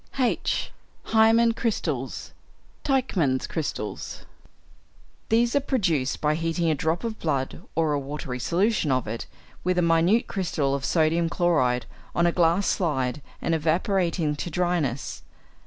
(h) =Hæmin Crystals (Teichman's Crystals).= These are produced by heating a drop of blood, or a watery solution of it, with a minute crystal of sodium chloride on a glass slide and evaporating to dryness.